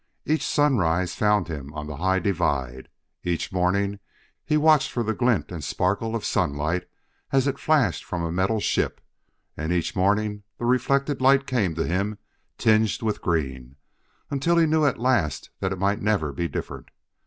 Each sunrise found him on the high divide; each morning he watched for the glint and sparkle of sunlight as it flashed from a metal ship; and each morning the reflected light came to him tinged with green, until he knew at last that it might never be different.